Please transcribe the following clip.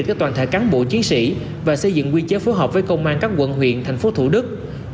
cho toàn thể cán bộ chiến sĩ và xây dựng quy chế phối hợp với công an các quận huyện thành phố thủ đức